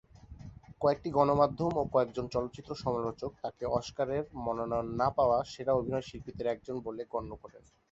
কয়েকটি গণমাধ্যম ও কয়েকজন চলচ্চিত্র সমালোচক তাকে অস্কারের মনোনয়ন না পাওয়া সেরা অভিনয়শিল্পীদের একজন বলে গণ্য করেন।